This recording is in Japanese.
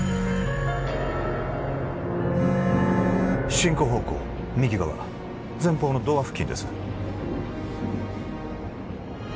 進行方向右側前方のドア付近です